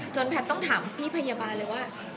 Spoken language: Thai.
แพทย์ต้องถามพี่พยาบาลเลยว่า